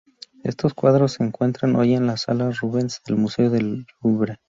Estos cuadros se encuentran hoy en la sala Rubens del Museo del Louvre.